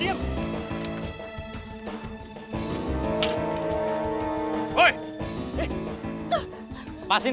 ya makasih makasih